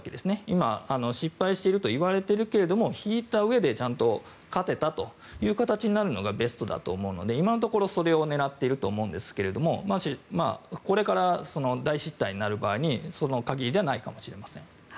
今、失敗しているといわれているけれども引いたうえで、ちゃんと勝てたという形になるのがベストだと思うので、今のところそれを狙っていると思うんですがこれから大失態になる場合にはその限りではないかもしれません。